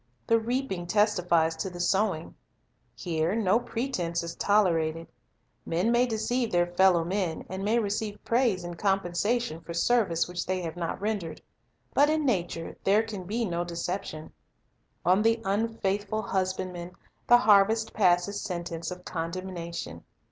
The reaping testifies to the sowing. Here no pretense is tolerated. Men may deceive their fellow men, and may receive praise and compensation for service which they have not rendered, we Reap j> u t m na ture there can be no deception. On the What . r We sow unfaithful husbandman the harvest passes sentence of condemnation.